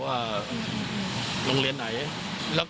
ว่าลงเรียนไหนแล้ว